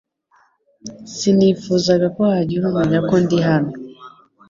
Sinifuzaga ko hagira umenya ko ndi hano